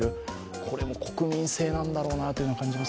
これも国民性なんだろうと感じます。